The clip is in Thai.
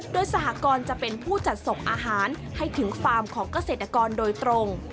โดยสหกรณ์จะเป็นผู้จัดส่งอาหารให้ถึงฟาร์มของเกษตรกรโดยตรง